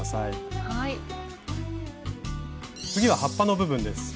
次は葉っぱの部分です。